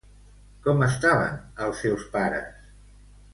Com estaven els seus pares?